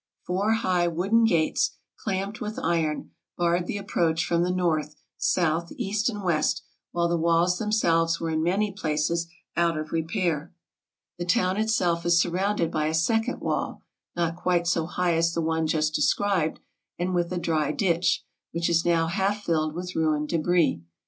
Four high wooden gates, clamped with iron, barred the approach from the north, south, east, and west, while the walls themselves were in many places out of repair. The town itself is surrounded by a second wall, not quite so high as the one just described, and with a dry ditch, which is now half filled with ruined debris.